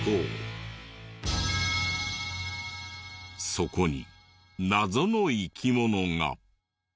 そこに謎の生き物が。